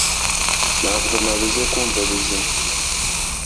Ntabwo nabuze kumva Bizimana